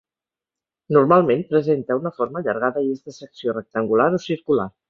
Normalment presenta una forma allargada i és de secció rectangular o circular.